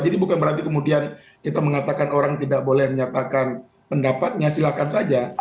jadi bukan berarti kemudian kita mengatakan orang tidak boleh menyatakan pendapatnya silakan saja